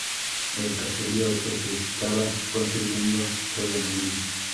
El caserío que se estaba construyendo fue demolido.